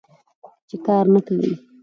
چې کار نه کوې.